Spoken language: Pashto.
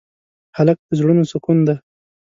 هلک د زړونو سکون دی.